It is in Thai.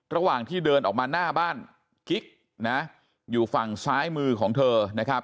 ระหว่างที่เดินออกมาหน้าบ้านกิ๊กนะอยู่ฝั่งซ้ายมือของเธอนะครับ